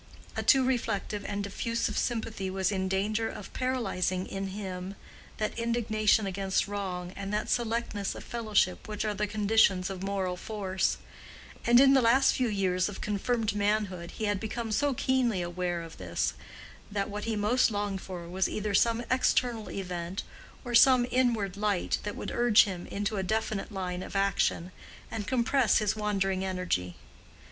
A too reflective and diffusive sympathy was in danger of paralyzing in him that indignation against wrong and that selectness of fellowship which are the conditions of moral force; and in the last few years of confirmed manhood he had become so keenly aware of this that what he most longed for was either some external event, or some inward light, that would urge him into a definite line of action, and compress his wandering energy.